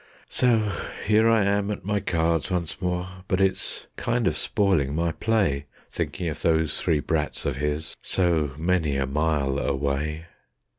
So here I am at my cards once more, but it's kind of spoiling my play, Thinking of those three brats of his so many a mile away.